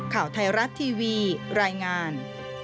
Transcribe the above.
ข่าวไทยรัฐทีวีรายงาน